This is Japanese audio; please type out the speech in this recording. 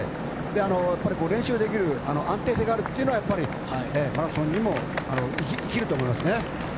練習できる安定性があるというのはマラソンにも生きると思いますね。